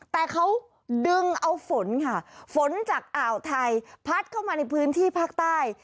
แต่เขาดึงเอาฝนค่ะฝนจากอ่าวไทยพัดเข้ามาในพื้นที่ภาคใต้